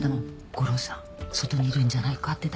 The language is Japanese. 吾良さん外にいるんじゃないかって誰か。